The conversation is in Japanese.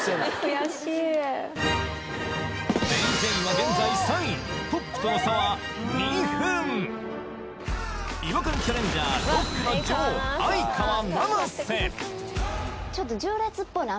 現在３位トップとの差は２分違和感チャレンジャーロックの女王・相川七瀬